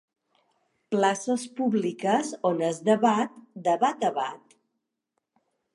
Places públiques on es debat de bat a bat.